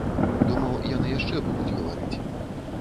Думаў, яны яшчэ будуць гаварыць.